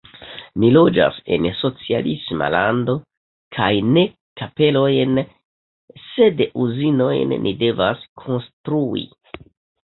Ni loĝas en socialisma lando kaj ne kapelojn, sed uzinojn ni devas konstrui!